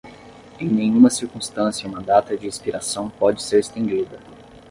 Em nenhuma circunstância uma data de expiração pode ser estendida.